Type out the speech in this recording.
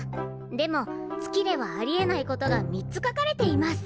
でも月ではありえないことが３つかかれています。